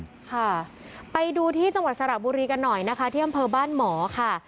ค่ะไปดูที่จังหวัดสระบุรีกันหน่อยนะคะที่อำเภอบ้านหมอค่ะ